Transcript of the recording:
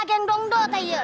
geng dongdot aja